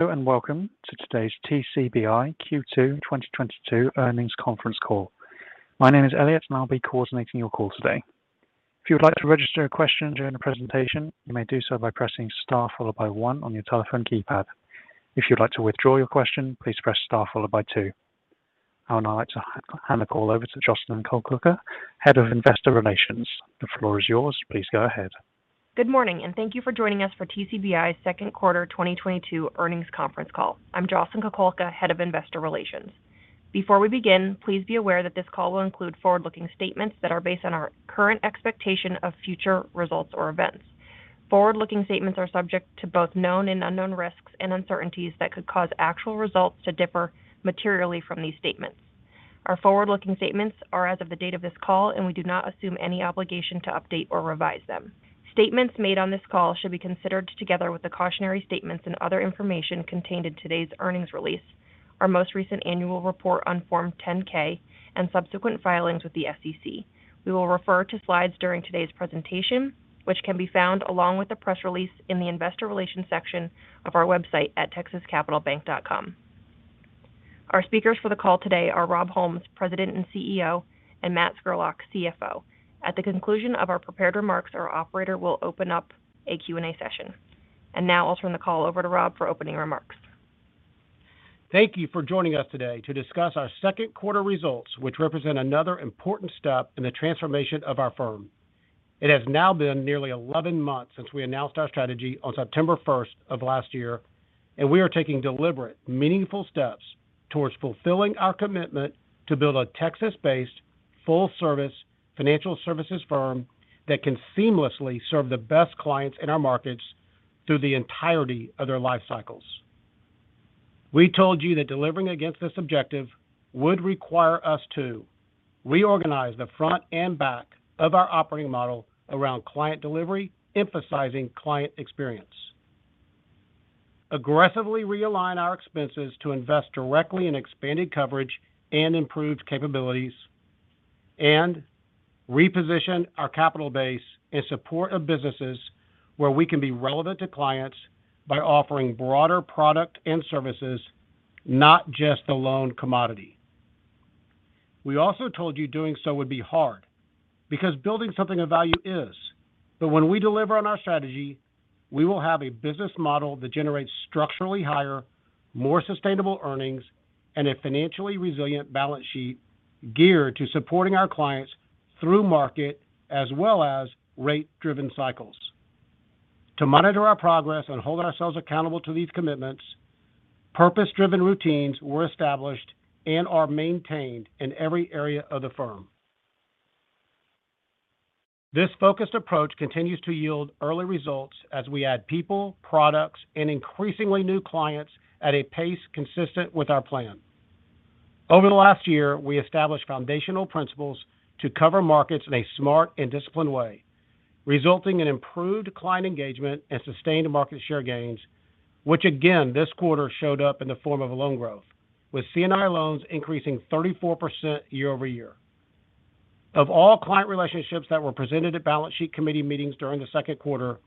Hello, and welcome to today's TCBI Q2 2022 earnings conference call. My name is Elliot, and I'll be coordinating your call today. If you would like to register a question during the presentation, you may do so by pressing star followed by one on your telephone keypad. If you'd like to withdraw your question, please press star followed by two. I would now like to hand the call over to Jocelyn Kukulka, Head of Investor Relations. The floor is yours. Please go ahead. Good morning, and thank you for joining us for TCBI's second quarter 2022 earnings conference call. I'm Jocelyn Kukulka, Head of Investor Relations. Before we begin, please be aware that this call will include forward-looking statements that are based on our current expectation of future results or events. Forward-looking statements are subject to both known and unknown risks and uncertainties that could cause actual results to differ materially from these statements. Our forward-looking statements are as of the date of this call, and we do not assume any obligation to update or revise them. Statements made on this call should be considered together with the cautionary statements and other information contained in today's earnings release, our most recent annual report on Form 10-K and subsequent filings with the SEC. We will refer to slides during today's presentation, which can be found along with the press release in the Investor Relations section of our website at texascapitalbank.com. Our speakers for the call today are Rob Holmes, President and CEO, and Matt Scurlock, CFO. At the conclusion of our prepared remarks, our operator will open up a Q&A session. Now I'll turn the call over to Rob for opening remarks. Thank you for joining us today to discuss our second quarter results, which represent another important step in the transformation of our firm. It has now been nearly 11 months since we announced our strategy on September 1 of last year, and we are taking deliberate, meaningful steps towards fulfilling our commitment to build a Texas-based full service financial services firm that can seamlessly serve the best clients in our markets through the entirety of their life cycles. We told you that delivering against this objective would require us to reorganize the front and back of our operating model around client delivery, emphasizing client experience. Aggressively realign our expenses to invest directly in expanded coverage and improved capabilities, and reposition our capital base in support of businesses where we can be relevant to clients by offering broader product and services, not just the loan commodity. We also told you doing so would be hard because building something of value is. When we deliver on our strategy, we will have a business model that generates structurally higher, more sustainable earnings, and a financially resilient balance sheet geared to supporting our clients through market as well as rate-driven cycles. To monitor our progress and hold ourselves accountable to these commitments, purpose-driven routines were established and are maintained in every area of the firm. This focused approach continues to yield early results as we add people, products, and increasingly new clients at a pace consistent with our plan. Over the last year, we established foundational principles to cover markets in a smart and disciplined way, resulting in improved client engagement and sustained market share gains, which again, this quarter showed up in the form of loan growth, with C&I loans increasing 34% year-over-year. Of all client relationships that were presented at balance sheet committee meetings during the second quarter,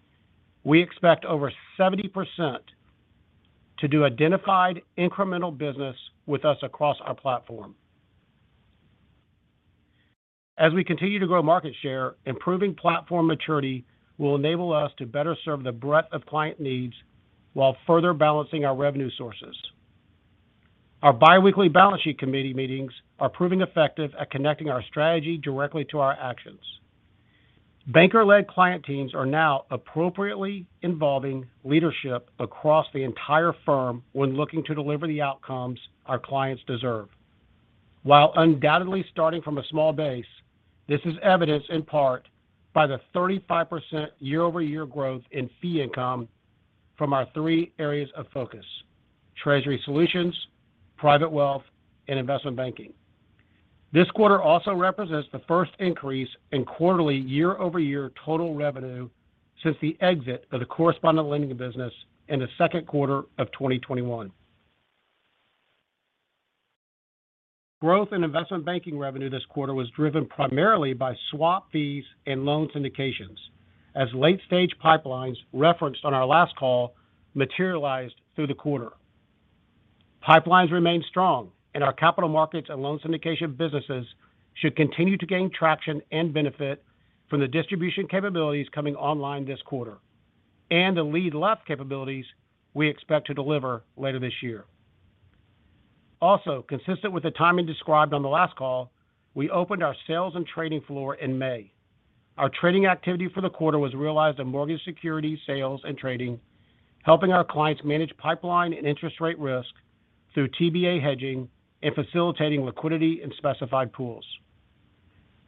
we expect over 70% to do identified incremental business with us across our platform. As we continue to grow market share, improving platform maturity will enable us to better serve the breadth of client needs while further balancing our revenue sources. Our biweekly balance sheet committee meetings are proving effective at connecting our strategy directly to our actions. Banker-led client teams are now appropriately involving leadership across the entire firm when looking to deliver the outcomes our clients deserve. While undoubtedly starting from a small base, this is evidenced in part by the 35% year-over-year growth in fee income from our three areas of focus: treasury solutions, private wealth, and investment banking. This quarter also represents the first increase in quarterly year-over-year total revenue since the exit of the correspondent lending business in the second quarter of 2021. Growth in investment banking revenue this quarter was driven primarily by swap fees and loan syndications as late-stage pipelines referenced on our last call materialized through the quarter. Pipelines remain strong, and our capital markets and loan syndication businesses should continue to gain traction and benefit from the distribution capabilities coming online this quarter, and the lead left capabilities we expect to deliver later this year. Also, consistent with the timing described on the last call, we opened our sales and trading floor in May. Our trading activity for the quarter was realized in mortgage security, sales, and trading, helping our clients manage pipeline and interest rate risk through TBA hedging and facilitating liquidity in specified pools.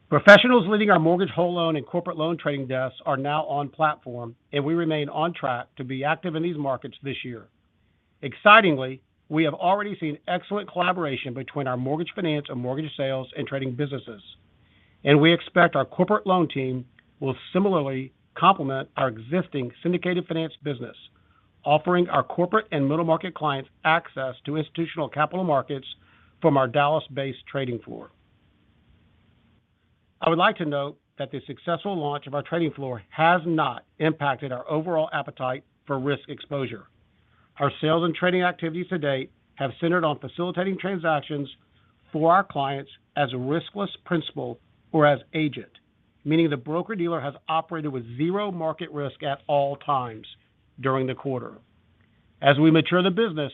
Professionals leading our mortgage whole loan and corporate loan trading desks are now on platform, and we remain on track to be active in these markets this year. Excitingly, we have already seen excellent collaboration between our mortgage finance and mortgage sales and trading businesses, and we expect our corporate loan team will similarly complement our existing syndicated finance business, offering our corporate and middle-market clients access to institutional capital markets from our Dallas-based trading floor. I would like to note that the successful launch of our trading floor has not impacted our overall appetite for risk exposure. Our sales and trading activities to date have centered on facilitating transactions for our clients as a riskless principal or as agent, meaning the broker-dealer has operated with zero market risk at all times during the quarter. As we mature the business,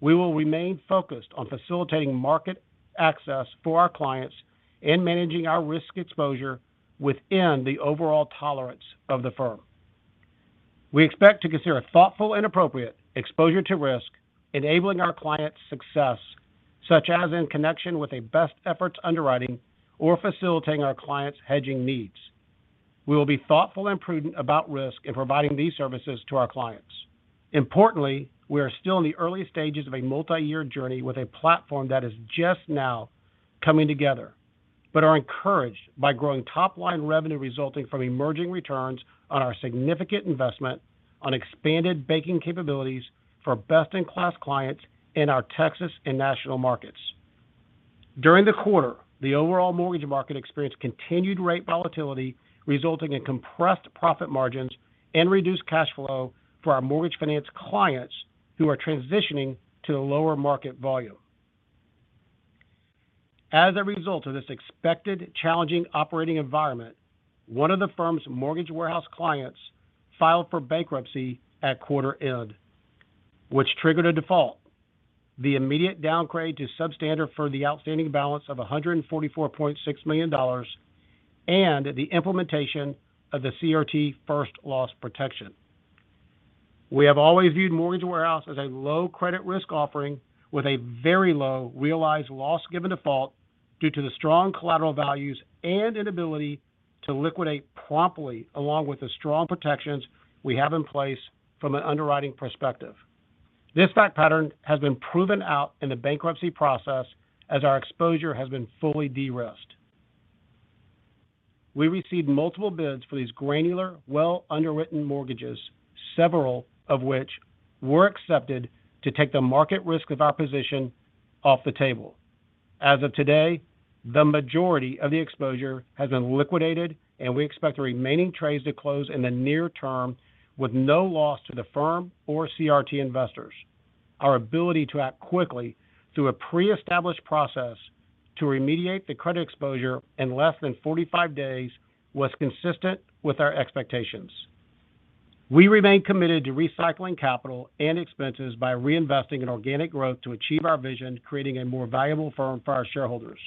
we will remain focused on facilitating market access for our clients and managing our risk exposure within the overall tolerance of the firm. We expect to consider a thoughtful and appropriate exposure to risk, enabling our clients' success, such as in connection with a best efforts underwriting or facilitating our clients' hedging needs. We will be thoughtful and prudent about risk in providing these services to our clients. Importantly, we are still in the early stages of a multi-year journey with a platform that is just now coming together. We are encouraged by growing top line revenue resulting from emerging returns on our significant investment on expanded banking capabilities for best-in-class clients in our Texas and national markets. During the quarter, the overall mortgage market experienced continued rate volatility, resulting in compressed profit margins and reduced cash flow for our mortgage finance clients who are transitioning to a lower market volume. As a result of this expected challenging operating environment, one of the firm's mortgage warehouse clients filed for bankruptcy at quarter end, which triggered a default. The immediate downgrade to substandard for the outstanding balance of $144.6 million and the implementation of the CRT first loss protection. We have always viewed mortgage warehouse as a low credit risk offering with a very low realized loss given default due to the strong collateral values and an ability to liquidate promptly along with the strong protections we have in place from an underwriting perspective. This fact pattern has been proven out in the bankruptcy process as our exposure has been fully de-risked. We received multiple bids for these granular, well-underwritten mortgages, several of which were accepted to take the market risk of our position off the table. As of today, the majority of the exposure has been liquidated, and we expect the remaining trades to close in the near term with no loss to the firm or CRT investors. Our ability to act quickly through a pre-established process to remediate the credit exposure in less than 45 days was consistent with our expectations. We remain committed to recycling capital and expenses by reinvesting in organic growth to achieve our vision, creating a more valuable firm for our shareholders.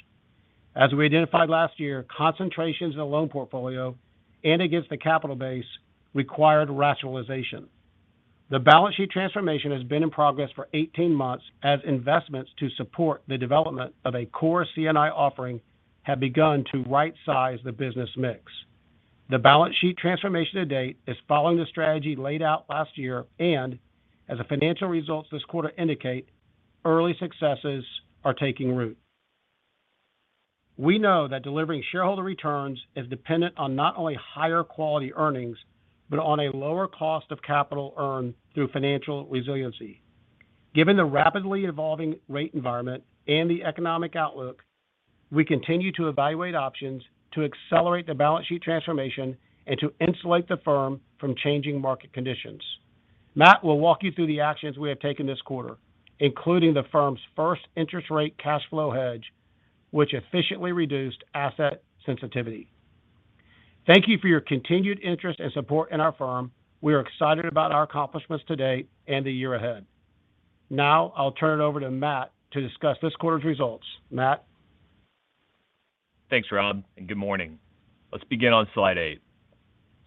As we identified last year, concentrations in the loan portfolio and against the capital base required rationalization. The balance sheet transformation has been in progress for 18 months as investments to support the development of a core C&I offering have begun to right-size the business mix. The balance sheet transformation to date is following the strategy laid out last year and as the financial results this quarter indicate, early successes are taking root. We know that delivering shareholder returns is dependent on not only higher quality earnings, but on a lower cost of capital earned through financial resiliency. Given the rapidly evolving rate environment and the economic outlook, we continue to evaluate options to accelerate the balance sheet transformation and to insulate the firm from changing market conditions. Matt will walk you through the actions we have taken this quarter, including the firm's first interest rate cash flow hedge, which efficiently reduced asset sensitivity. Thank you for your continued interest and support in our firm. We are excited about our accomplishments today and the year ahead. Now, I'll turn it over to Matt to discuss this quarter's results. Matt? Thanks, Rob, and good morning. Let's begin on slide 8.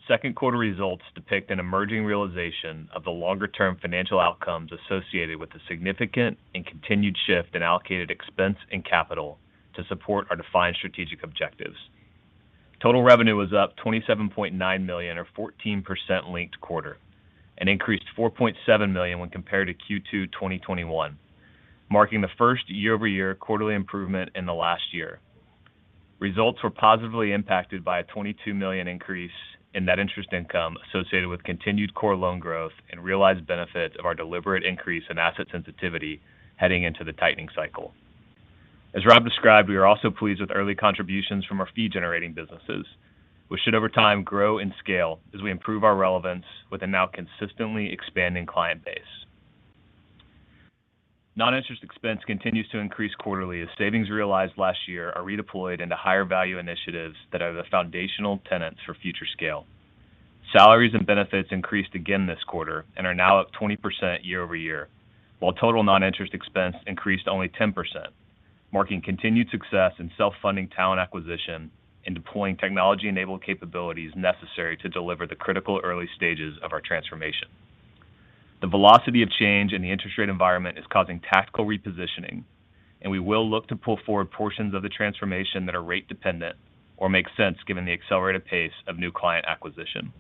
Second quarter results depict an emerging realization of the longer-term financial outcomes associated with the significant and continued shift in allocated expense and capital to support our defined strategic objectives. Total revenue was up $27.9 million or 14% linked-quarter and increased $4.7 million when compared to Q2 2021, marking the first year-over-year quarterly improvement in the last year. Results were positively impacted by a $22 million increase in net interest income associated with continued core loan growth and realized benefits of our deliberate increase in asset sensitivity heading into the tightening cycle. As Rob described, we are also pleased with early contributions from our fee-generating businesses, which should over time grow and scale as we improve our relevance with a now consistently expanding client base. Non-interest expense continues to increase quarterly as savings realized last year are redeployed into higher value initiatives that are the foundational tenants for future scale. Salaries and benefits increased again this quarter, and are now up 20% year-over-year, while total non-interest expense increased only 10%, marking continued success in self-funding talent acquisition and deploying technology-enabled capabilities necessary to deliver the critical early stages of our transformation. The velocity of change in the interest rate environment is causing tactical repositioning, and we will look to pull forward portions of the transformation that are rate dependent or make sense given the accelerated pace of new client acquisition.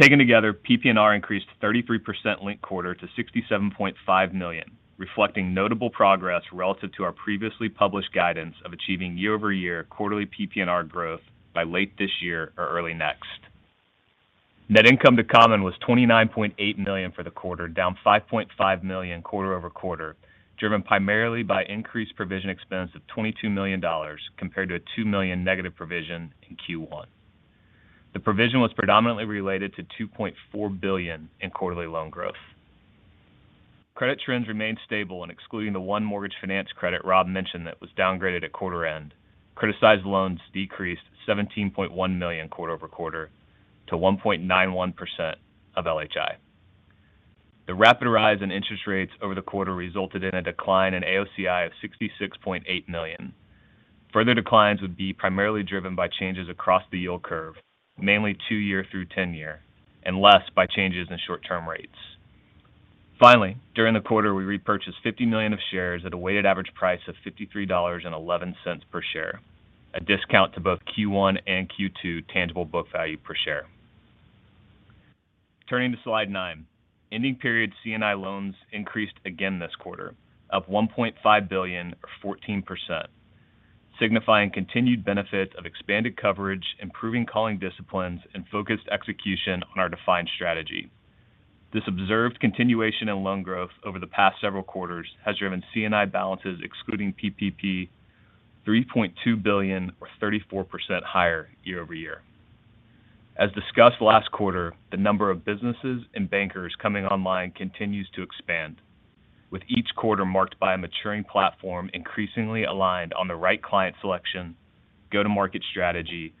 Taken together, PPNR increased 33% linked quarter to $67.5 million, reflecting notable progress relative to our previously published guidance of achieving year-over-year quarterly PPNR growth by late this year or early next. Net income to common was $29.8 million for the quarter, down $5.5 million quarter over quarter, driven primarily by increased provision expense of $22 million compared to a $2 million negative provision in Q1. The provision was predominantly related to $2.4 billion in quarterly loan growth. Credit trends remained stable when excluding the one mortgage finance credit Rob mentioned that was downgraded at quarter end. Criticized loans decreased $17.1 million quarter over quarter to 1.91% of LHI. The rapid rise in interest rates over the quarter resulted in a decline in AOCI of $66.8 million. Further declines would be primarily driven by changes across the yield curve, mainly two-year through 10-year, and less by changes in short-term rates. Finally, during the quarter, we repurchased $50 million of shares at a weighted average price of $53.11 per share, a discount to both Q1 and Q2 tangible book value per share. Turning to slide 9, ending period C&I loans increased again this quarter by $1.5 billion or 14%, signifying continued benefit of expanded coverage, improving calling disciplines, and focused execution on our defined strategy. This observed continuation in loan growth over the past several quarters has driven C&I balances excluding PPP $3.2 billion or 34% higher year-over-year. As discussed last quarter, the number of businesses and bankers coming online continues to expand with each quarter marked by a maturing platform increasingly aligned on the right client selection, go-to-market strategy,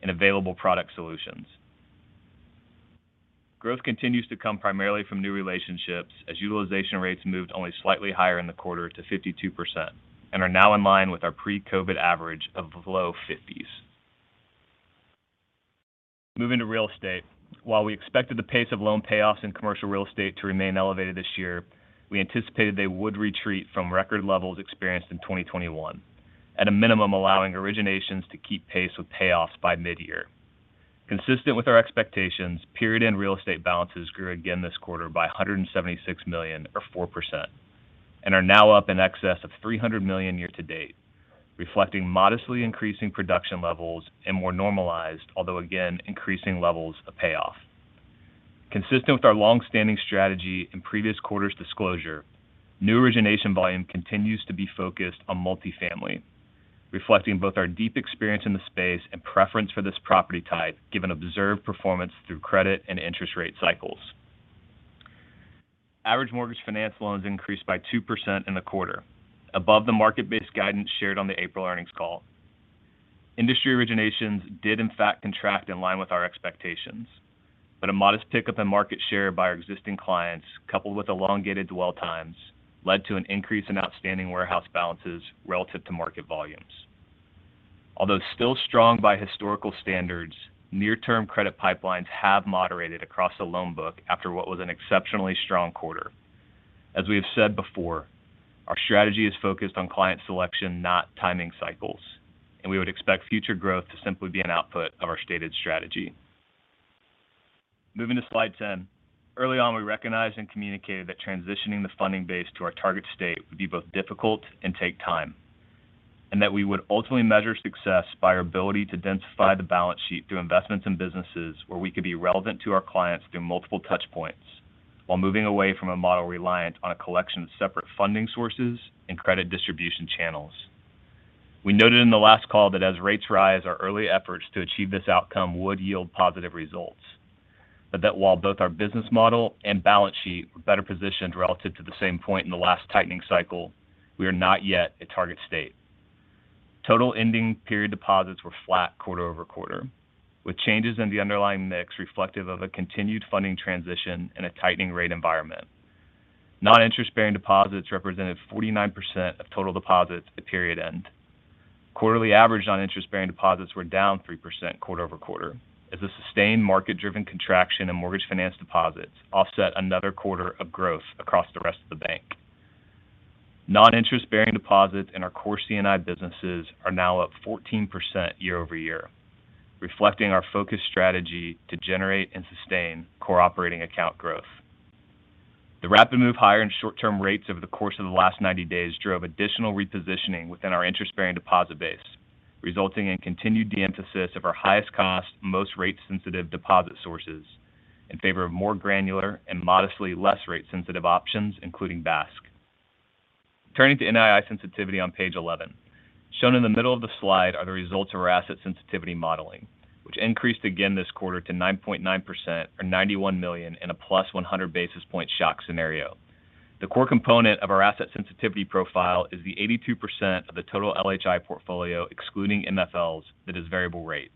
and available product solutions. Growth continues to come primarily from new relationships as utilization rates moved only slightly higher in the quarter to 52% and are now in line with our pre-COVID average of low 50% range. Moving to real estate, while we expected the pace of loan payoffs in commercial real estate to remain elevated this year, we anticipated they would retreat from record levels experienced in 2021 at a minimum allowing originations to keep pace with payoffs by mid-year. Consistent with our expectations, period end real estate balances grew again this quarter by $176 million or 4%, and are now up in excess of $300 million year to date, reflecting modestly increasing production levels and more normalized, although again, increasing levels of payoff. Consistent with our long-standing strategy and previous quarters disclosure, new origination volume continues to be focused on multifamily, reflecting both our deep experience in the space and preference for this property type given observed performance through credit and interest rate cycles. Average mortgage finance loans increased by 2% in the quarter above the market-based guidance shared on the April earnings call. Industry originations did in fact contract in line with our expectations, but a modest pickup in market share by our existing clients coupled with elongated dwell times led to an increase in outstanding warehouse balances relative to market volumes. Although still strong by historical standards, near-term credit pipelines have moderated across the loan book after what was an exceptionally strong quarter. As we have said before, our strategy is focused on client selection, not timing cycles, and we would expect future growth to simply be an output of our stated strategy. Moving to slide 10. Early on, we recognized and communicated that transitioning the funding base to our target state would be both difficult and take time, and that we would ultimately measure success by our ability to densify the balance sheet through investments in businesses where we could be relevant to our clients through multiple touch points while moving away from a model reliant on a collection of separate funding sources and credit distribution channels. We noted in the last call that as rates rise, our early efforts to achieve this outcome would yield positive results, but that while both our business model and balance sheet were better positioned relative to the same point in the last tightening cycle, we are not yet at target state. Total ending period deposits were flat quarter-over-quarter, with changes in the underlying mix reflective of a continued funding transition in a tightening rate environment. Non-interest-bearing deposits represented 49% of total deposits at period end. Quarterly average non-interest-bearing deposits were down 3% quarter-over-quarter as a sustained market-driven contraction in mortgage finance deposits offset another quarter of growth across the rest of the bank. Non-interest-bearing deposits in our core C&I businesses are now up 14% year-over-year, reflecting our focused strategy to generate and sustain core operating account growth. The rapid move higher in short-term rates over the course of the last 90 days drove additional repositioning within our interest-bearing deposit base, resulting in continued de-emphasis of our highest cost, most rate sensitive deposit sources in favor of more granular and modestly less rate sensitive options, including BASK. Turning to NII sensitivity on page 11. Shown in the middle of the slide are the results of our asset sensitivity modeling, which increased again this quarter to 9.9% or $91 million in a +100 basis point shock scenario. The core component of our asset sensitivity profile is the 82% of the total LHI portfolio excluding MFLs that is variable rate.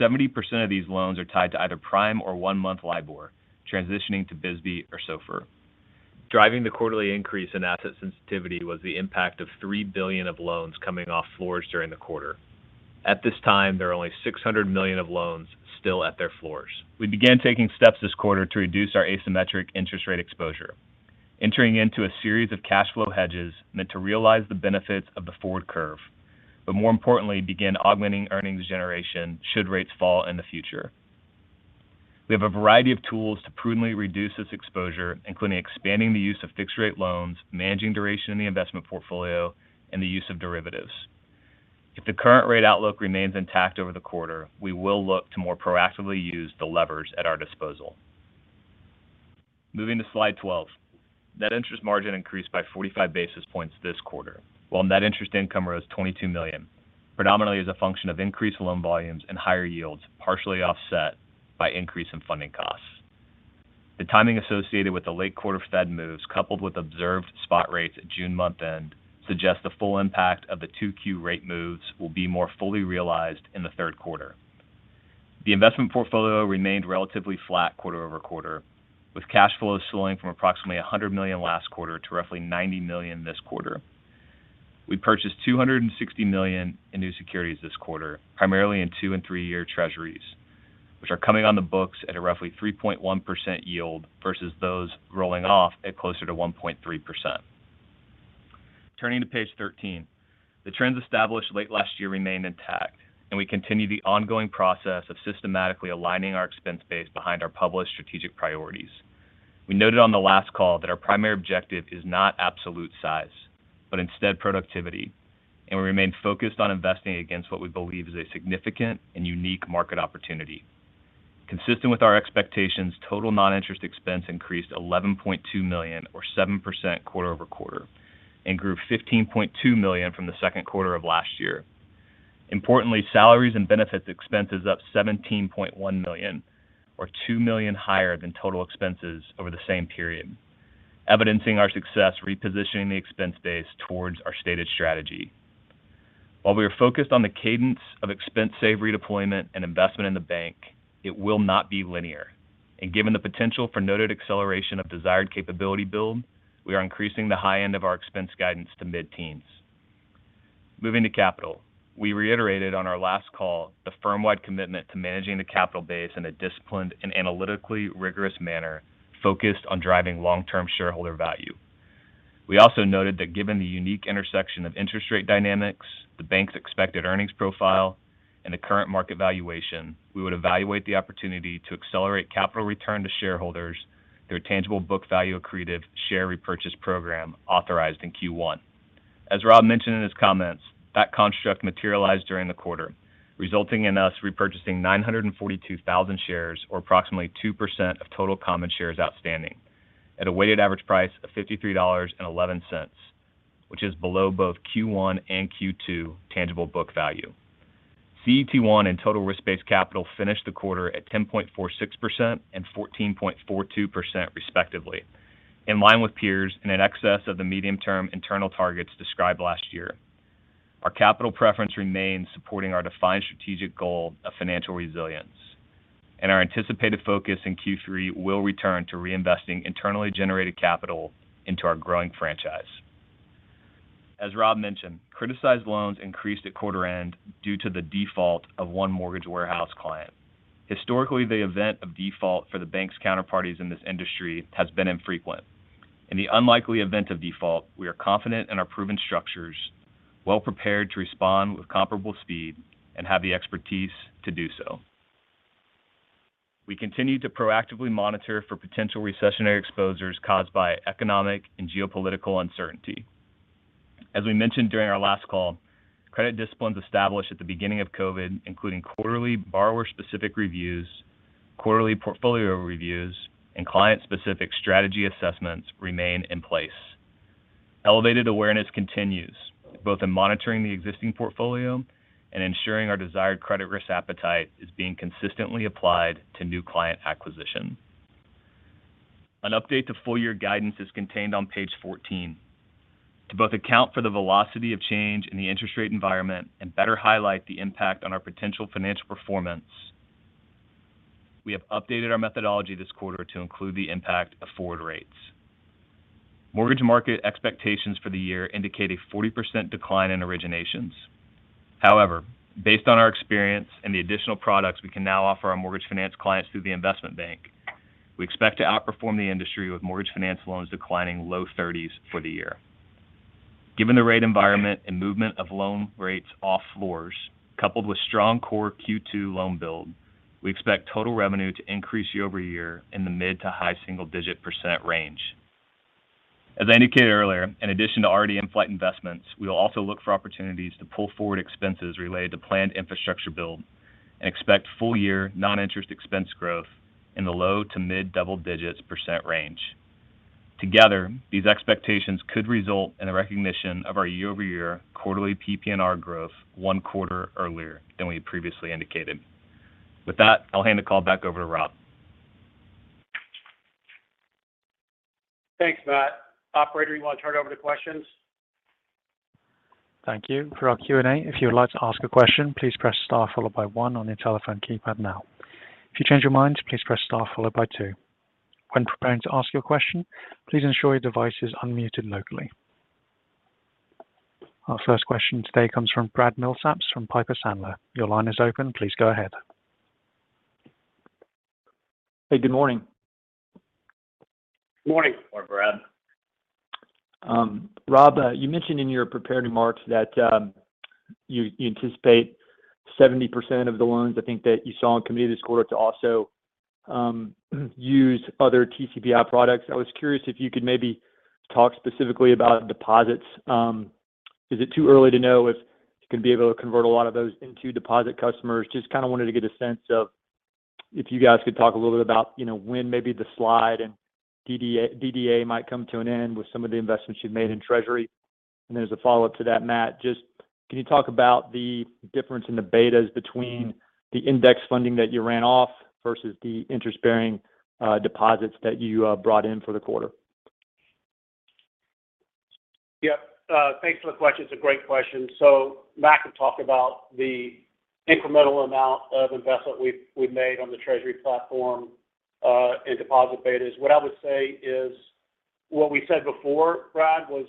70% of these loans are tied to either prime or one-month LIBOR transitioning to BSBY or SOFR. Driving the quarterly increase in asset sensitivity was the impact of $3 billion of loans coming off floors during the quarter. At this time, there are only $600 million of loans still at their floors. We began taking steps this quarter to reduce our asymmetric interest rate exposure, entering into a series of cash flow hedges meant to realize the benefits of the forward curve, but more importantly, begin augmenting earnings generation should rates fall in the future. We have a variety of tools to prudently reduce this exposure, including expanding the use of fixed rate loans, managing duration in the investment portfolio, and the use of derivatives. If the current rate outlook remains intact over the quarter, we will look to more proactively use the levers at our disposal. Moving to slide 12. Net interest margin increased by 45 basis points this quarter. While net interest income rose $22 million predominantly as a function of increased loan volumes and higher yields, partially offset by increase in funding costs. The timing associated with the late quarter Fed moves, coupled with observed spot rates at June month-end, suggests the full impact of the 2Q rate moves will be more fully realized in the third quarter. The investment portfolio remained relatively flat quarter-over-quarter, with cash flows slowing from approximately $100 million last quarter to roughly $90 million this quarter. We purchased $260 million in new securities this quarter, primarily in two- and three-year Treasuries, which are coming on the books at a roughly 3.1% yield versus those rolling off at closer to 1.3%. Turning to page 13. The trends established late last year remain intact, and we continue the ongoing process of systematically aligning our expense base behind our published strategic priorities. We noted on the last call that our primary objective is not absolute size, but instead productivity, and we remain focused on investing against what we believe is a significant and unique market opportunity. Consistent with our expectations, total non-interest expense increased $11.2 million or 7% quarter-over-quarter and grew $15.2 million from the second quarter of last year. Importantly, salaries and benefits expenses up $17.1 million or $2 million higher than total expenses over the same period, evidencing our success repositioning the expense base towards our stated strategy. While we are focused on the cadence of expense save redeployment and investment in the bank, it will not be linear. Given the potential for noted acceleration of desired capability build, we are increasing the high end of our expense guidance to mid-teens. Moving to capital. We reiterated on our last call the firm-wide commitment to managing the capital base in a disciplined and analytically rigorous manner focused on driving long-term shareholder value. We also noted that given the unique intersection of interest rate dynamics, the bank's expected earnings profile, and the current market valuation, we would evaluate the opportunity to accelerate capital return to shareholders through a tangible book value accretive share repurchase program authorized in Q1. As Rob mentioned in his comments, that construct materialized during the quarter, resulting in us repurchasing 942,000 shares or approximately 2% of total common shares outstanding at a weighted average price of $53.11, which is below both Q1 and Q2 tangible book value. CET1 and total risk-based capital finished the quarter at 10.46% and 14.42%, respectively, in line with peers and in excess of the medium-term internal targets described last year. Our capital preference remains supporting our defined strategic goal of financial resilience, and our anticipated focus in Q3 will return to reinvesting internally generated capital into our growing franchise. As Rob mentioned, criticized loans increased at quarter end due to the default of one mortgage warehouse client. Historically, the event of default for the bank's counterparties in this industry has been infrequent. In the unlikely event of default, we are confident in our proven structures, well prepared to respond with comparable speed and have the expertise to do so. We continue to proactively monitor for potential recessionary exposures caused by economic and geopolitical uncertainty. As we mentioned during our last call, credit disciplines established at the beginning of COVID, including quarterly borrower-specific reviews, quarterly portfolio reviews, and client-specific strategy assessments remain in place. Elevated awareness continues both in monitoring the existing portfolio and ensuring our desired credit risk appetite is being consistently applied to new client acquisition. An update to full year guidance is contained on page 14. To both account for the velocity of change in the interest rate environment and better highlight the impact on our potential financial performance, we have updated our methodology this quarter to include the impact of forward rates. Mortgage market expectations for the year indicate a 40% decline in originations. However, based on our experience and the additional products we can now offer our mortgage finance clients through the investment bank, we expect to outperform the industry with mortgage finance loans declining low 30% range for the year. Given the rate environment and movement of loan rates off floors, coupled with strong core Q2 loan build, we expect total revenue to increase year-over-year in the mid- to high-single-digit % range. As I indicated earlier, in addition to already in-flight investments, we will also look for opportunities to pull forward expenses related to planned infrastructure build and expect full year non-interest expense growth in the low- to mid-double-digits percent range. Together, these expectations could result in a recognition of our year-over-year quarterly PPNR growth one quarter earlier than we had previously indicated. With that, I'll hand the call back over to Rob. Thanks, Matt. Operator, you want to turn over to questions? Thank you. For our Q&A, if you would like to ask a question, please press star followed by one on your telephone keypad now. If you change your mind, please press star followed by two. When preparing to ask your question, please ensure your device is unmuted locally. Our first question today comes from Brad Milsaps from Piper Sandler. Your line is open. Please go ahead. Hey, good morning. Good morning. Good morning, Brad. Rob, you mentioned in your prepared remarks that you anticipate 70% of the loans, I think, that you saw in committee this quarter to also use other TCBI products. I was curious if you could maybe talk specifically about deposits. Is it too early to know if you're going to be able to convert a lot of those into deposit customers? Just, kind of wanted to get a sense of--If you guys could talk a little bit about, you know, when maybe the slide in DDA might come to an end with some of the investments you've made in Treasury. As a follow-up to that, Matt, just can you talk about the difference in the betas between the index funding that you ran off versus the interest-bearing deposits that you brought in for the quarter? Yeah. Thanks for the question. It's a great question. Matt can talk about the incremental amount of investment we've made on the Treasury platform and deposit betas. What I would say is what we said before, Brad, was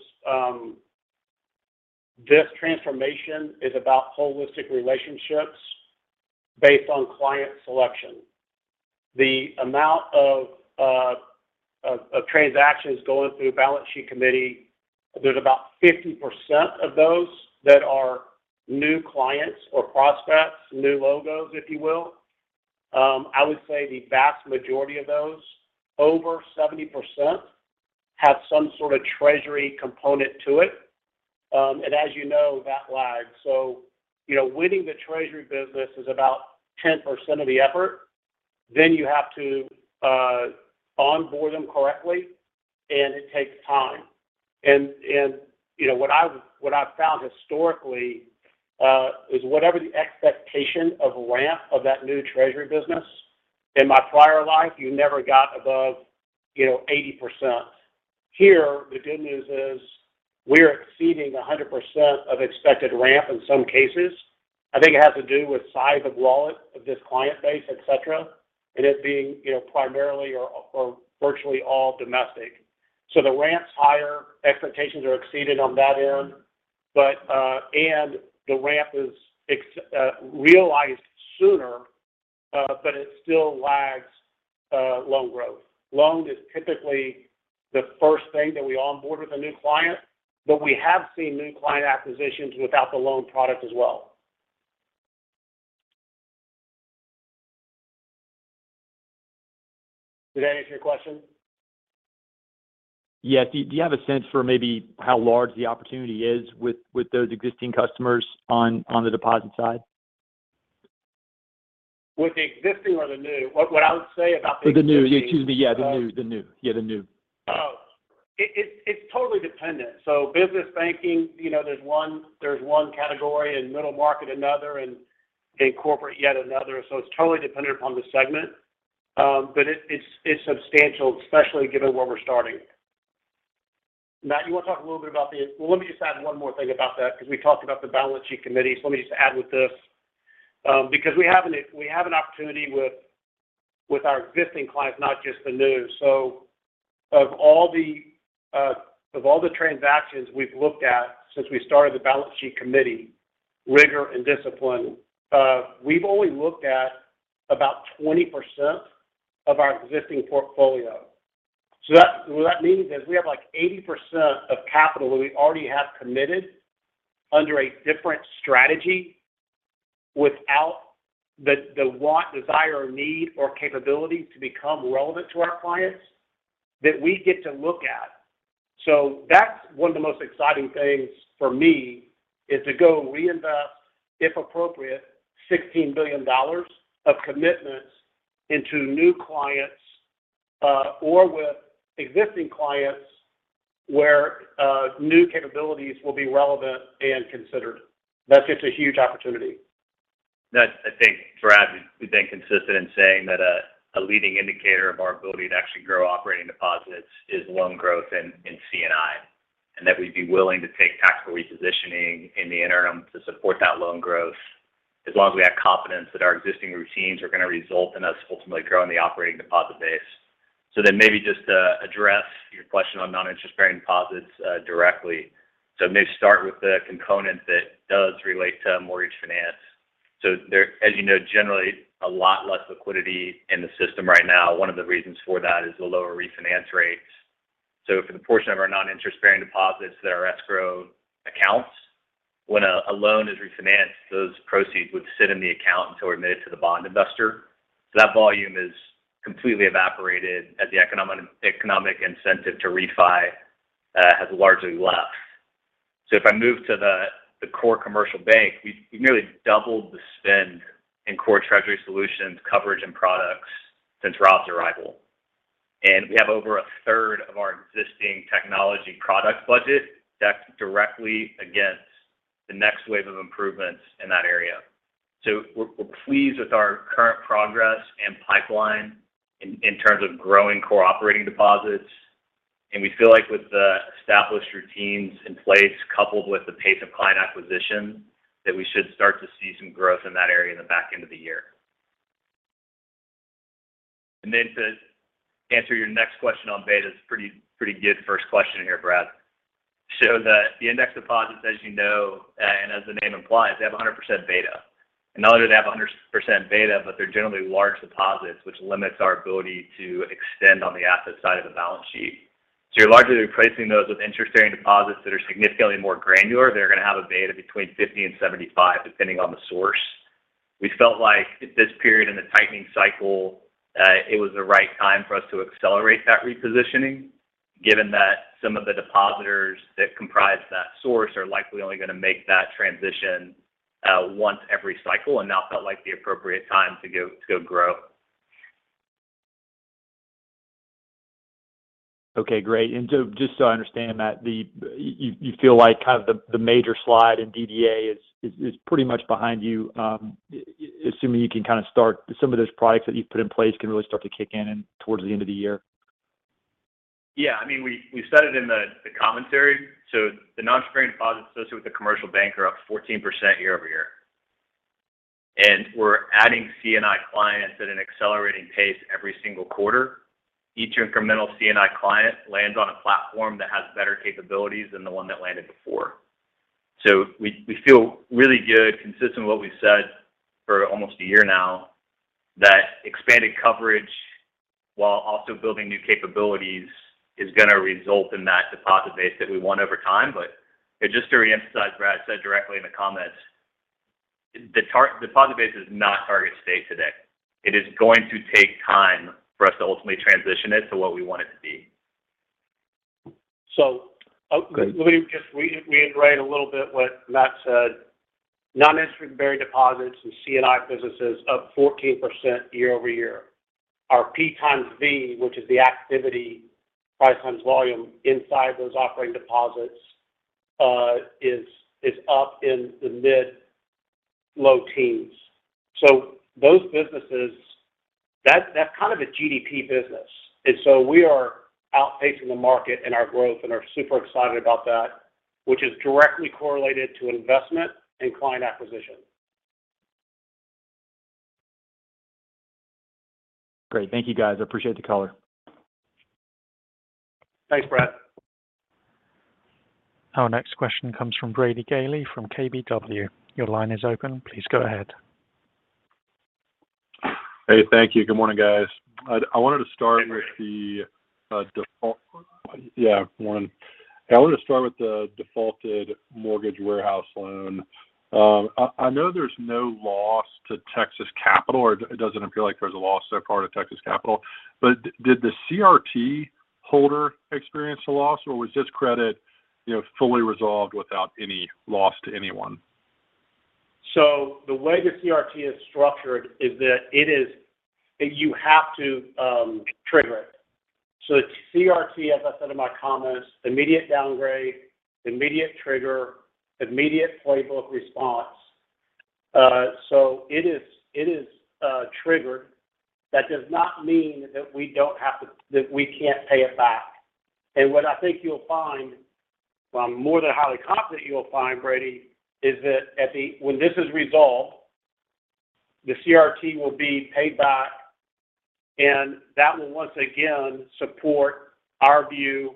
this transformation is about holistic relationships based on client selection. The amount of transactions going through balance sheet committee, there's about 50% of those that are new clients or prospects, new logos, if you will. I would say the vast majority of those, over 70% have some sort of Treasury component to it. And as you know, that lags. You know, winning the Treasury business is about 10% of the effort. You have to onboard them correctly, and it takes time. You know, what I've found historically is whatever the expectation of ramp of that new Treasury business in my prior life, you never got above, you know, 80%. Here, the good news is we're exceeding 100% of expected ramp in some cases. I think it has to do with size of wallet of this client base, et cetera, and it being, you know, primarily or virtually all domestic. The ramp's higher expectations are exceeded on that end. The ramp is realized sooner, but it still lags loan growth. Loan is typically the first thing that we onboard with a new client, but we have seen new client acquisitions without the loan product as well. Did that answer your question? Yes. Do you have a sense for maybe how large the opportunity is with those existing customers on the deposit side? With the existing or the new? What I would say about the existing- Excuse me. Yeah, the new. Oh. It's totally dependent. Business banking, you know, there's one category and middle market another and corporate yet another. It's totally dependent upon the segment. But it's substantial, especially given where we're starting. Matt, you want to talk a little bit about the-- Well, let me just add one more thing about that because we talked about the balance sheet committee. Let me just add with this. Because we have an opportunity with our existing clients, not just the new. Of all the transactions we've looked at since we started the balance sheet committee rigor and discipline, we've only looked at about 20% of our existing portfolio. What that means is we have like 80% of capital that we already have committed under a different strategy without the want, desire, or need or capability to become relevant to our clients that we get to look at. That's one of the most exciting things for me, is to go and reinvest, if appropriate, $16 billion of commitments into new clients, or with existing clients where new capabilities will be relevant and considered. That's just a huge opportunity. I think, Brad, we've been consistent in saying that a leading indicator of our ability to actually grow operating deposits is loan growth in C&I, and that we'd be willing to take tactical repositioning in the interim to support that loan growth as long as we have confidence that our existing routines are going to result in us ultimately growing the operating deposit base. Maybe, just to address your question on non-interest-bearing deposits directly, maybe start with the component that does relate to mortgage finance. There, as you know, generally a lot less liquidity in the system right now. One of the reasons for that is the lower refinance rates. For the portion of our non-interest-bearing deposits that are escrow accounts, when a loan is refinanced, those proceeds would sit in the account until we're admitted to the bond investor. That volume is completely evaporated as the economic incentive to refi has largely left. If I move to the core commercial bank, we've nearly doubled the spend in core Treasury solutions coverage and products since Rob's arrival. We have over a 1/3 of our existing technology product budget stacked directly against the next wave of improvements in that area. We're pleased with our current progress and pipeline in terms of growing core operating deposits. We feel like with the established routines in place, coupled with the pace of client acquisition, that we should start to see some growth in that area in the back end of the year. Then to answer your next question on betas, pretty good first question here, Brad. Index deposits, as you know, and as the name implies, they have a 100% beta. Not only do they have a 100% beta, but they're generally large deposits, which limits our ability to extend on the asset side of the balance sheet. You're largely replacing those with interest-bearing deposits that are significantly more granular. They're going to have a beta between 50% and 75%, depending on the source. We felt like at this period in the tightening cycle, it was the right time for us to accelerate that repositioning, given that some of the depositors that comprise that source are likely only going to make that transition once every cycle, and now felt like the appropriate time to go grow. Okay, great. Just so I understand you feel, like, kind of the major slide in DDA is pretty much behind you, assuming you can kind of start some of those products that you've put in place can really start to kick in and towards the end of the year. Yeah. I mean, we said it in the commentary. The non-interest-bearing deposits associated with the commercial bank are up 14% year-over-year. We're adding C&I clients at an accelerating pace every single quarter. Each incremental C&I client lands on a platform that has better capabilities than the one that landed before. We feel really good, consistent with what we've said for almost a year now, that expanded coverage while also building new capabilities is going to result in that deposit base that we want over time. Just to reemphasize what I said directly in the comments, the deposit base is not target state today. It is going to take time for us to ultimately transition it to what we want it to be. Let me just reiterate a little bit what Matt said. Non-interest-bearing deposits and C&I businesses up 14% year-over-year. Our Price times Volume, which is the activity price times volume inside those operating deposits, is up in the mid- to low teens. Those businesses, that's kind of a GDP business. We are outpacing the market in our growth and are super excited about that, which is directly correlated to investment and client acquisition. Great. Thank you, guys. I appreciate the color. Thanks, Brad. Our next question comes from Brady Gailey from KBW. Your line is open. Please go ahead. Hey, thank you. Good morning, guys. I want to start with the defaulted mortgage warehouse loan. I know there's no loss to Texas Capital, or it doesn't appear like there's a loss so far to Texas Capital. Did the CRT holder experience a loss, or was this credit, you know, fully resolved without any loss to anyone? The way the CRT is structured is that you have to trigger it. The CRT, as I said in my comments, immediate downgrade, immediate trigger, immediate playbook response. It is triggered. That does not mean that we can't pay it back. What I think you'll find--well, I'm more than highly confident you'll find--Brady, is that when this is resolved, the CRT will be paid back. That will once again support our view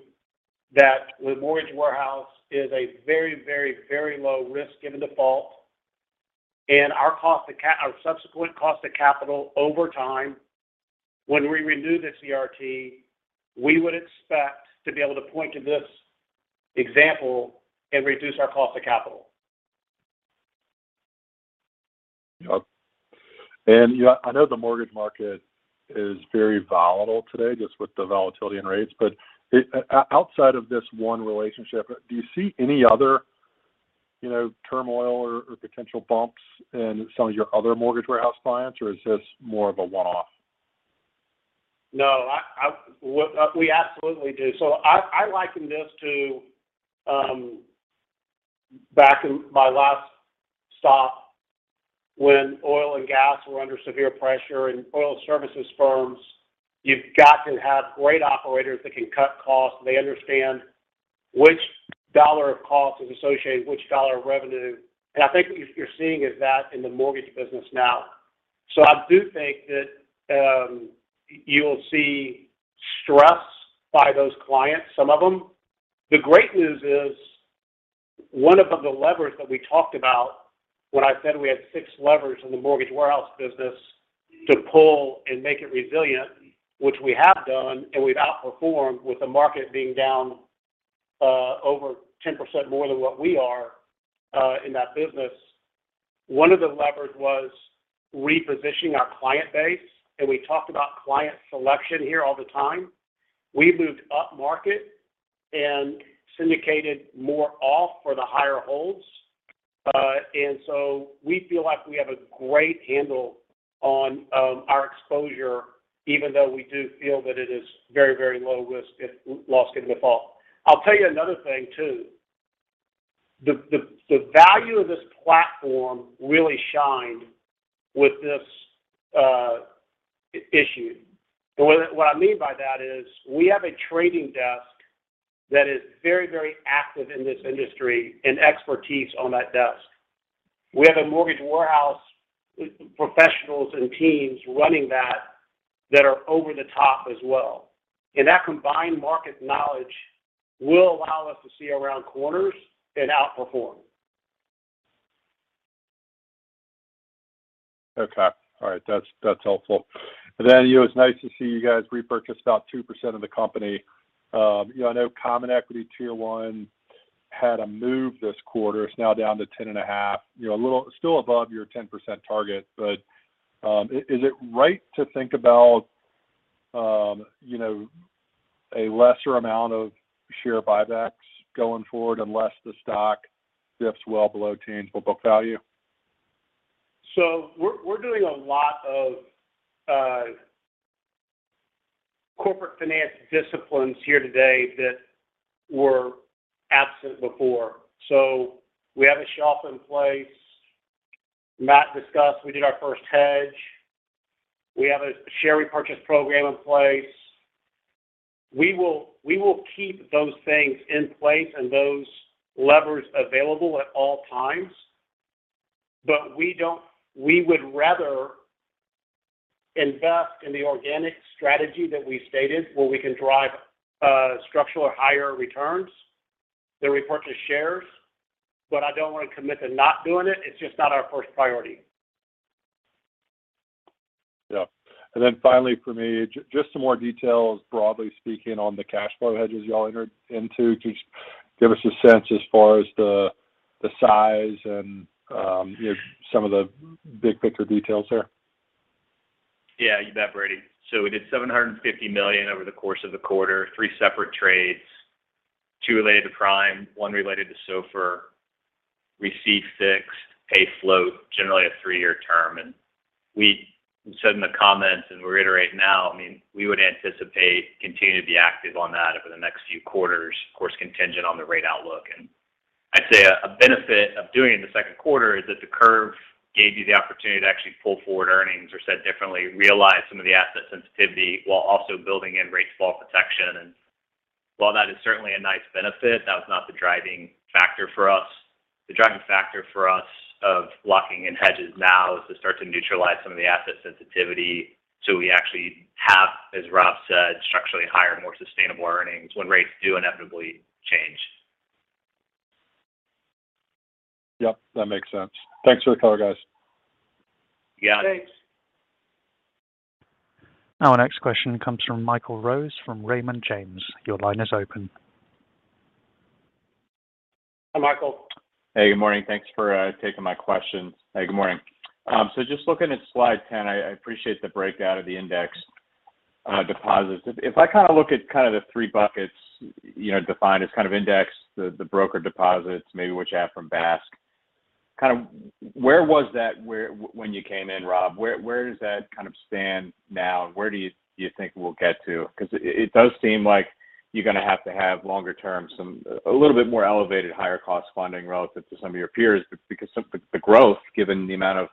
that the mortgage warehouse is a very, very, very low risk in default. Our subsequent cost of capital over time when we renew the CRT, we would expect to be able to point to this example and reduce our cost of capital. Yep. I know the mortgage market is very volatile today, just with the volatility and rates. Outside of this one relationship, do you see any other, you know, turmoil or potential bumps in some of your other mortgage warehouse clients, or is this more of a one-off? No, we absolutely do. I liken this to back in my last stop when oil and gas were under severe pressure and oil services firms. You've got to have great operators that can cut costs. They understand which dollar of cost is associated with which dollar of revenue. I think what you're seeing is that in the mortgage business now. I do think that you will see stress by those clients, some of them. The great news is one of the levers that we talked about when I said we had six levers in the mortgage warehouse business to pull and make it resilient, which we have done, and we've outperformed with the market being down over 10% more than what we are in that business. One of the levers was repositioning our client base, and we talked about client selection here all the time. We moved up market and syndicated more off for the higher holds. We feel like we have a great handle on our exposure, even though we do feel that it is very, very low risk if lost in default. I'll tell you another thing too. The value of this platform really shined with this issue. What I mean by that is we have a trading desk that is very, very active in this industry and expertise on that desk. We have a mortgage warehouse professionals and teams running that that are over the top as well. That combined market knowledge will allow us to see around corners and outperform. Okay. All right. That's helpful. You know, it's nice to see you guys repurchase about 2% of the company. You know, I know common equity tier one had a move this quarter. It's now down to 10.5%. You know, a little still above your 10% target. Is it right to think about, you know, a lesser amount of share buybacks going forward unless the stock dips well below tangible book value? We're doing a lot of corporate finance disciplines here today that were absent before. We have a swap in place. Matt discussed, we did our first hedge. We have a share repurchase program in place. We will keep those things in place and those levers available at all times. We would rather invest in the organic strategy that we stated, where we can drive structural or higher returns than repurchase shares. I don't want to commit to not doing it. It's just not our first priority. Yeah. Finally for me, just some more details, broadly speaking on the cash flow hedges y'all entered into. Could you give us a sense as far as the size and, you know, some of the big picture details there? Yeah, you bet, Brady. We did $750 million over the course of the quarter. Three separate trades. Two related to prime, one related to SOFR. Receive fixed pay float, generally a three-year term. We said in the comments and we reiterate now, I mean, we would anticipate continuing to be active on that over the next few quarters, of course, contingent on the rate outlook. I'd say a benefit of doing it in the second quarter is that the curve gave you the opportunity to actually pull forward earnings or said differently, realize some of the asset sensitivity while also building in rate fall protection. While that is certainly a nice benefit, that was not the driving factor for us. The driving factor for us of locking in hedges now is to start to neutralize some of the asset sensitivity so we actually have, as Rob said, structurally higher, more sustainable earnings when rates do inevitably change. Yep, that makes sense. Thanks for the color, guys. Got it. Thanks. Our next question comes from Michael Rose, from Raymond James. Your line is open. Hi, Michael. Hey, good morning. Thanks for taking my questions. Hey, good morning. So just looking at slide 10, I appreciate the breakout of the indexed deposits. If I kind of look at kind of the three buckets, you know, defined as kind of indexed, the broker deposits, maybe what you have from BASK. Kind of when you came in, Rob. Where does that kind of stand now, and where do you think we'll get to? Because it does seem like you're going to have to have longer term, a little bit more elevated higher cost funding relative to some of your peers. Because the growth, given the amount of,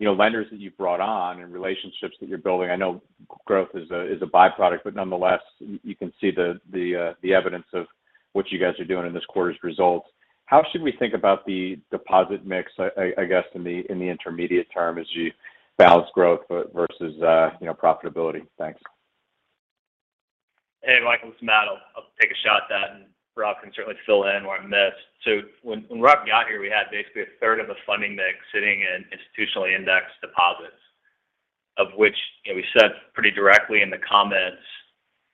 you know, lenders that you've brought on and relationships that you're building, I know growth is a byproduct. Nonetheless, you can see the evidence of what you guys are doing in this quarter's results. How should we think about the deposit mix, I guess in the intermediate term as you balance growth versus, you know, profitability? Thanks. Hey, Michael, it's Matt. I'll take a shot at that and Rob can certainly fill in where I missed. When Rob got here, we had basically 1/3 of a funding mix sitting in institutionally indexed deposits. Of which, you know, we said pretty directly in the comments,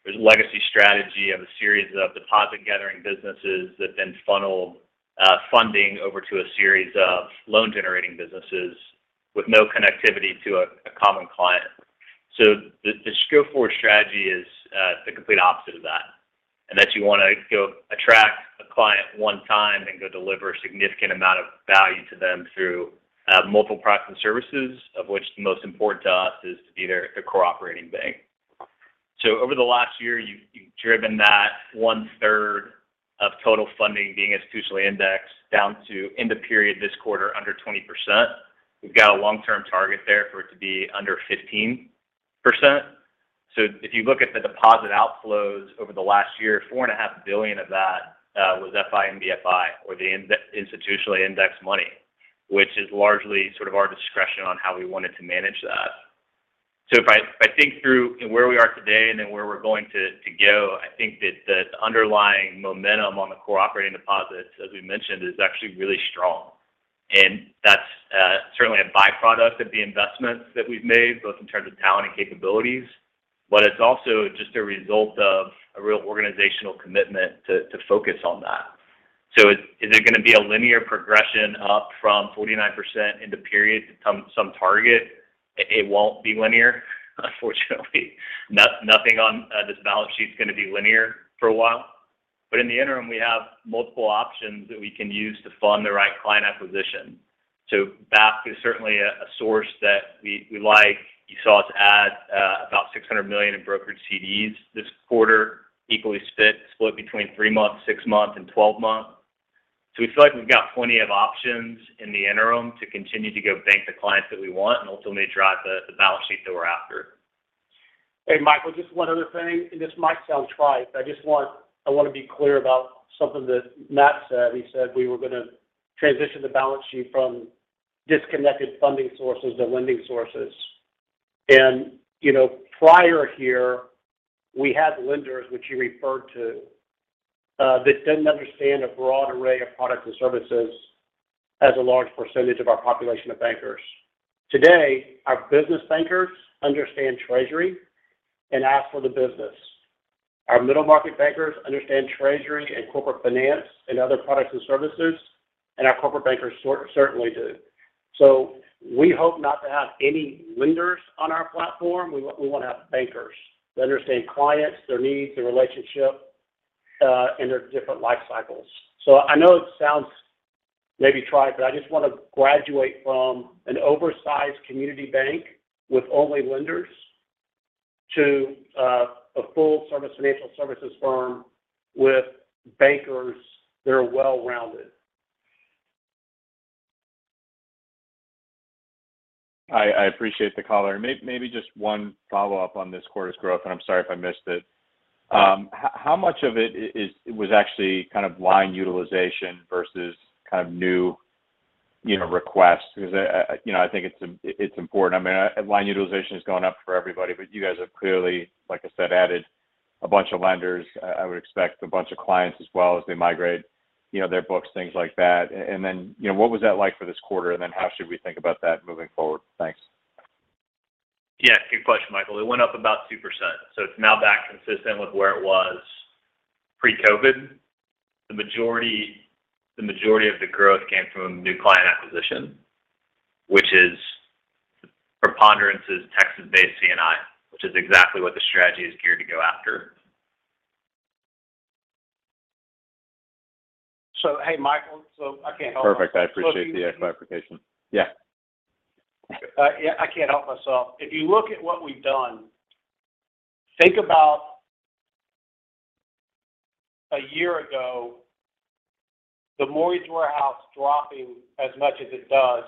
there's a legacy strategy of a series of deposit gathering businesses that then funneled funding over to a series of loan generating businesses with no connectivity to a common client. The go forward strategy is the complete opposite of that. That you want to go attract a client one time and go deliver a significant amount of value to them through multiple products and services, of which the most important to us is to be their the core operating bank. Over the last year, you've driven that 1/3 of total funding being institutionally indexed down to end of period this quarter under 20%. We've got a long-term target there for it to be under 15%. If you look at the deposit outflows over the last year, $4.5 billion of that was FI and BFI, or the institutionally indexed money, which is largely sort of our discretion on how we wanted to manage that. If I think through where we are today and then where we're going to go, I think that the underlying momentum on the core operating deposits, as we mentioned, is actually really strong. That's certainly a byproduct of the investments that we've made, both in terms of talent and capabilities. It's also just a result of a real organizational commitment to focus on that. Is it going to be a linear progression up from 49% end of period to some target? It won't be linear, unfortunately. Nothing on this balance sheet is going to be linear for a while. In the interim, we have multiple options that we can use to fund the right client acquisition. BASK is certainly a source that we like. You saw us add about $600 million in brokered CDs this quarter, equally split between three-month, six-month, and twelve-month. We feel like we've got plenty of options in the interim to continue to go bank the clients that we want and ultimately drive the balance sheet that we're after. Hey, Michael, just one other thing, and this might sound trite, but I want to be clear about something that Matt said. He said we were gonna transition the balance sheet from disconnected funding sources to lending sources. You know, prior here, we had lenders which you referred to that didn't understand a broad array of products and services as a large percentage of our population of bankers. Today, our business bankers understand treasury and ask for the business. Our middle market bankers understand treasury and corporate finance and other products and services, and our corporate bankers certainly do. We hope not to have any lenders on our platform. We want to have bankers that understand clients, their needs, their relationship, and their different life cycles. I know it sounds maybe trite, but I just want to graduate from an oversized community bank with only lenders to a full service financial services firm with bankers that are well-rounded. I appreciate the color. Maybe just one follow-up on this quarter's growth, and I'm sorry if I missed it. How much of it was actually kind of line utilization versus kind of new, you know, requests? Because you know, I think it's important. I mean, line utilization is going up for everybody, but you guys have clearly, like I said, added a bunch of lenders. I would expect a bunch of clients as well as they migrate, you know, their books, things like that. And then, you know, what was that like for this quarter? And then how should we think about that moving forward? Thanks. Yeah, good question, Michael. It went up about 2%, so it's now back consistent with where it was pre-COVID. The majority of the growth came from new client acquisition, which, the preponderance, is Texas-based C&I, which is exactly what the strategy is geared to go after. Hey, Michael, so I can't help- Perfect. I appreciate the clarification. Yeah. Yeah, I can't help myself. If you look at what we've done, think about a year ago, the mortgage warehouse dropping as much as it does.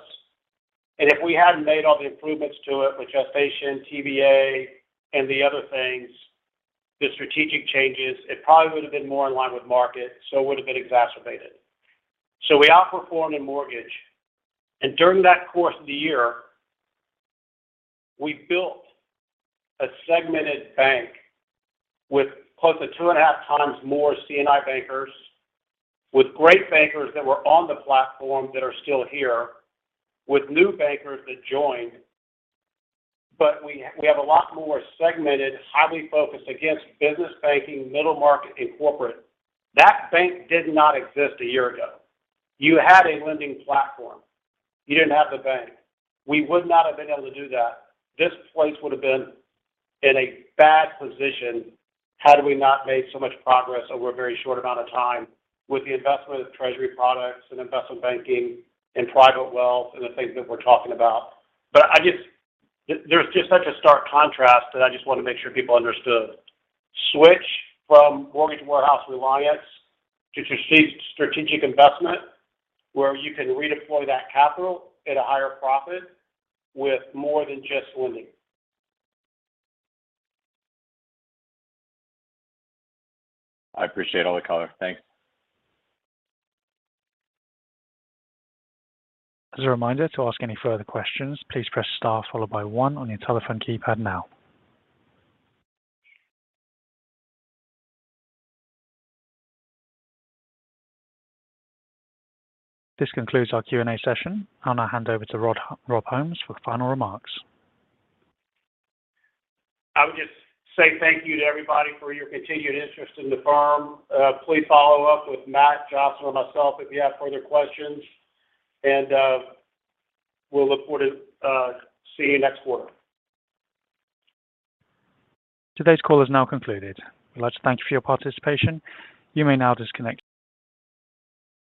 If we hadn't made all the improvements to it with securitization, TBA, and the other things, the strategic changes, it probably would have been more in line with market, so it would have been exacerbated. We outperformed in mortgage. During that course of the year, we built a segmented bank with close to 2.5x more C&I bankers, with great bankers that were on the platform that are still here with new bankers that joined. We have a lot more segmented, highly focused against business banking, middle market, and corporate. That bank did not exist a year ago. You had a lending platform. You didn't have the bank. We would not have been able to do that. This place would have been in a bad position had we not made so much progress over a very short amount of time with the investment of treasury products and investment banking and private wealth and the things that we're talking about. I just--There's just such a stark contrast, and I just want to make sure people understood. Switch from mortgage warehouse reliance to strategic investment where you can redeploy that capital at a higher profit with more than just lending. I appreciate all the color. Thanks. As a reminder to ask any further questions, please press star followed by one on your telephone keypad now. This concludes our Q&A session. I'll now hand over to Rob Holmes for final remarks. I would just say thank you to everybody for your continued interest in the firm. Please follow up with Matt, Jocelyn, myself if you have further questions. We'll look forward to seeing you next quarter. Today's call is now concluded. We'd like to thank you for your participation. You may now disconnect.